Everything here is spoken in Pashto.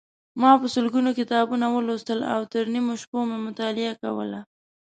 ما په سلګونو کتابونه ولوستل او تر نیمو شپو مې مطالعه کوله.